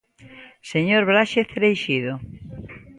Señor Braxe Cereixido.